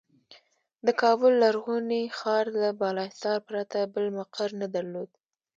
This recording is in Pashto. د کابل لرغوني ښار له بالاحصار پرته بل مقر نه درلود.